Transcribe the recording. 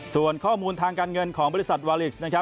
ส่วนข้อมูลทางการเงินของบริษัทวาลิกซ